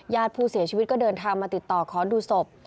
ญาติผู้เสียชีวิตก็เดินทางมาติดต่อขอดูศพ